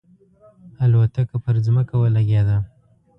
الوتکه پر ځمکه ولګېده.